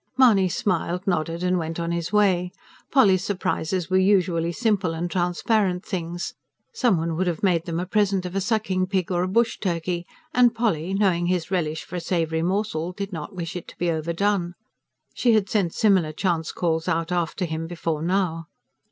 Mahony smiled, nodded and went on his way. Polly's surprises were usually simple and transparent things: some one would have made them a present of a sucking pig or a bush turkey, and Polly, knowing his relish for a savoury morsel, did not wish it to be overdone: she had sent similar chance calls out after him before now.